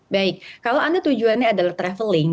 baik kalau anda tujuannya adalah traveling